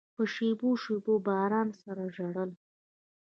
په شېبو، شېبو باران سره ژړله